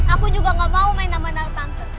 aku juga gak mau main main sama tante